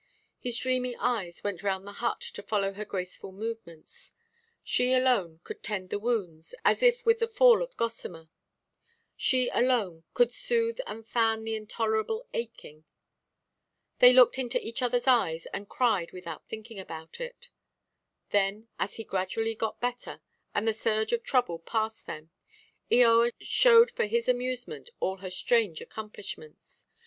His dreamy eyes went round the hut to follow her graceful movements; she alone could tend the wounds as if with the fall of gossamer, she alone could soothe and fan the intolerable aching. They looked into each otherʼs eyes and cried without thinking about it. Then, as he gradually got better, and the surge of trouble passed them, Eoa showed for his amusement all her strange accomplishments.